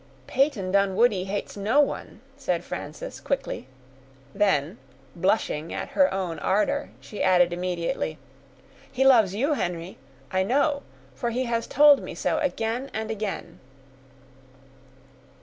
"Peyton Dunwoodie hates no one," said Frances, quickly; then, blushing at her own ardor, she added immediately, "he loves you, Henry, I know; for he has told me so again and again."